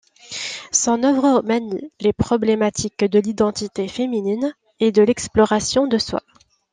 Son œuvre manie les problématiques de l'identité féminine et de l'exploration de soi.